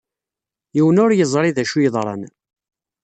Yiwen ur yeẓri d accu yeḍran.